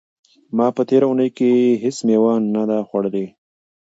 ما په تېره اونۍ کې هیڅ مېوه نه ده خوړلې.